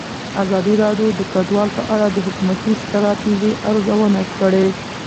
ازادي راډیو د کډوال په اړه د حکومتي ستراتیژۍ ارزونه کړې.